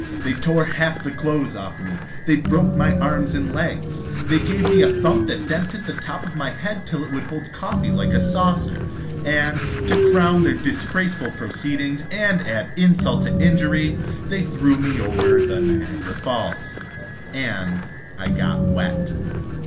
They tore half the clothes off me; they broke my arms and legs; they gave me a thump that dented the top of my head till it would hold coffee like a saucer; and, to crown their disgraceful proceedings and add insult to injury, they threw me over the Niagara Falls, and I got wet.